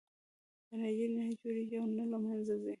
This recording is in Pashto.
انرژي نه جوړېږي او نه له منځه ځي.